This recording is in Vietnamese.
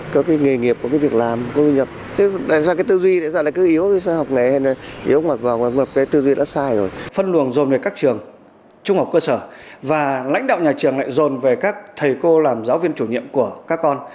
các nhà trường lại dồn về các thầy cô làm giáo viên chủ nhiệm của các con